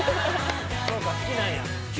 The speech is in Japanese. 「そうか好きなんや」